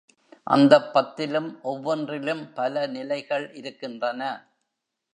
அந்தப் பத்திலும் ஒவ்வொன்றிலும் பல நிலைகள் இருக்கின்றன.